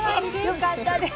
よかったです。